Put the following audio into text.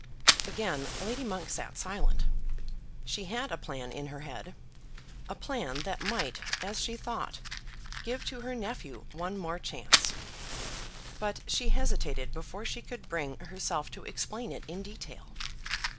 Again Lady Monk sat silent. She had a plan in her head, a plan that might, as she thought, give to her nephew one more chance. But she hesitated before she could bring herself to explain it in detail.